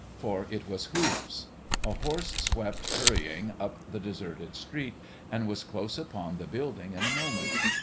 For it was hoofs. A horse swept hurrying up the deserted street, and was close upon the building in a moment.